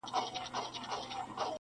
زاړه خلک چوپتيا خوښوي ډېر-